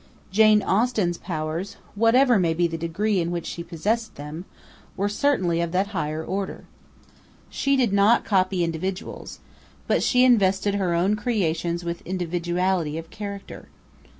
Jane Austen's powers, whatever may be the degree in which she possessed them, were certainly of that higher order. She did not copy individuals, but she invested her own creations with individuality of character.